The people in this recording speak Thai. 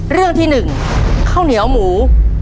เรื่องที่๑ข้าวเหนียวหมู